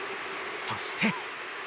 そして。